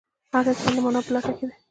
هر انسان د مانا په لټه کې دی.